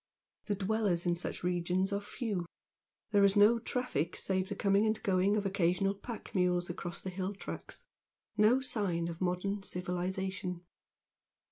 The dwellers in such regions are few there is no traffic save the coming and going of occasional pack mules across the hill tracks no sign of modern civilisation.